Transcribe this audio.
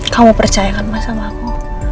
kamu percaya kan mas sama aku